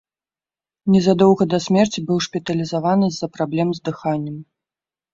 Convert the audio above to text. Незадоўга да смерці быў шпіталізаваны з-за праблем з дыханнем.